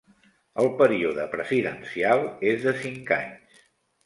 El període presidencial és de cinc anys.